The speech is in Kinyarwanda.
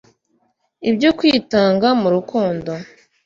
ibyo kwitanga mu rukundo.